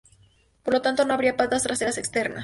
Por lo tanto, no había patas traseras externas.